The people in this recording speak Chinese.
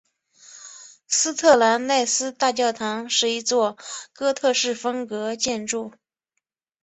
斯特兰奈斯大教堂是一座哥特式风格建筑。